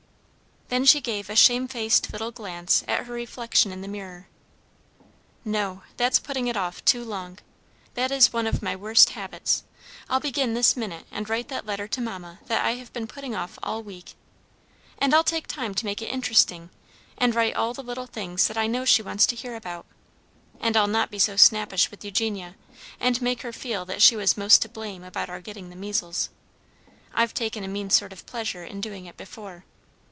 Then she gave a shamefaced little glance at her reflection in the mirror. "No, that's putting it off too long. That is one of my worst habits. I'll begin this minute and write that letter to mamma that I have been putting off all week. And I'll take time to make it interesting, and write all the little things that I know she wants to hear about. And I'll not be so snappish with Eugenia, and make her feel that she was most to blame about our getting the measles. I've taken a mean sort of pleasure in doing it before.